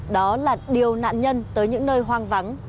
đó là điều nạn nhân tới những nơi hoang vắng